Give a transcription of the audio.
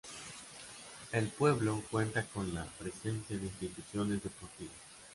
El pueblo cuenta con la presencia de instituciones deportivas.